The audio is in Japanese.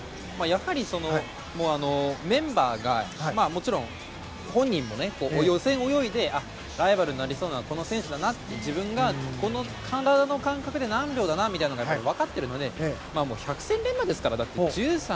やはり、メンバーがもちろん本人も予選を泳いでライバルになりそうなのはこの選手だなって自分がこの体の感覚で何秒だなというのは分かっているので百戦錬磨ですから。